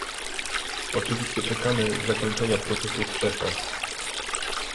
Oczywiście czekamy zakończenia procesu w Czechach